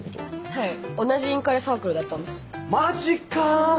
はい同じインカレサークルだったんです。マジか！